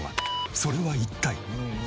それは一体？